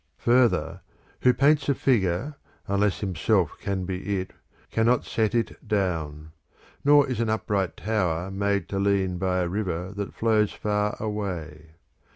Further, who paints a figure, unless himself can be it, can not set it down : nor is an upright tower made to lean by a river that flows far away.